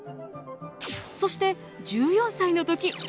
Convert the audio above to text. そして１４歳の時。